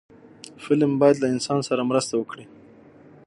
فلم باید له انسان سره مرسته وکړي